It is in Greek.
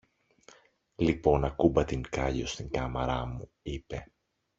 Λοιπόν ακουμπά την κάλλιο στην κάμαρα μου, είπε.